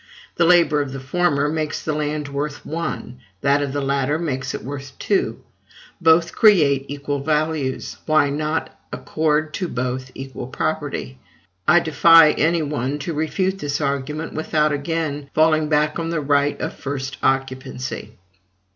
The labor of the former makes the land worth one; that of the latter makes it worth two: both create equal values. Why not accord to both equal property? I defy any one to refute this argument, without again falling back on the right of first occupancy.